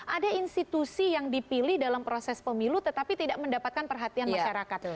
ada institusi yang dipilih dalam proses pemilu tetapi tidak mendapatkan perhatian masyarakat